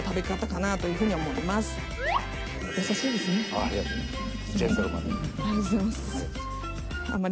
ありがとうございますあんまり。